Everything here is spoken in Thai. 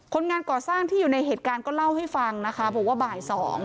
คนงานก่อสร้างที่อยู่ในเหตุการณ์ก็เล่าให้ฟังนะคะบอกว่าบ่าย๒